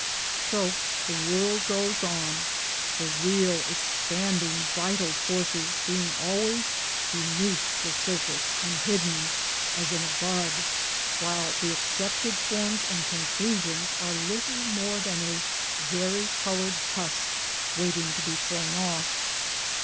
So the world goes on the real expanding vital forces being always beneath the surface and hidden, as in a bud, while the accepted forms and conclusions are little more than a vari coloured husk, waiting to be thrown off.